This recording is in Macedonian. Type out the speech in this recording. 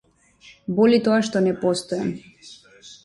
Боли тоа што не постојам.